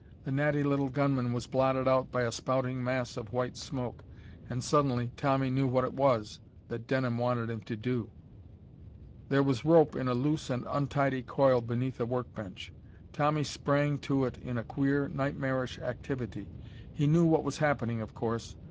The natty little gunman was blotted out by a spouting mass of white smoke and suddenly Tommy knew what it was that Denham wanted him to do. There was rope in a loose and untidy coil beneath a work bench. Tommy sprang to it in a queer, nightmarish activity. He knew what was happening, of course.